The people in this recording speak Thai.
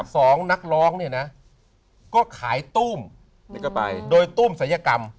สองนักร้องเนี่ยนะก็ขายตุ้มโดยตุ้มศัยกรรม